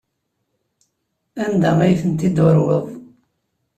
Anda ay tent-id-turweḍ?